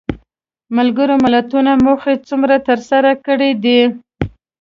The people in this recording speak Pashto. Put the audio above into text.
ملګرو ملتونو موخې څومره تر سره کړې دي؟